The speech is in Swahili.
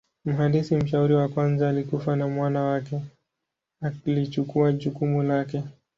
Mhandisi mshauri wa kwanza alikufa na mwana wake alichukua jukumu lake.